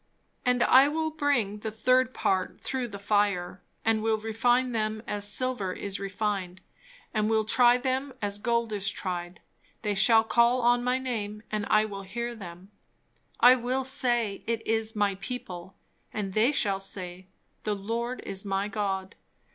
"And I will bring the third part through the fire, and will refine them as silver is refined, and will try them as gold is tried: they shall call on my name, and I will hear them; I will say, It is my people; and they shall say, The Lord is my God."